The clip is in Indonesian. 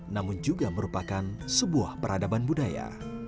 namun juga merupakan sebuah peradaban budaya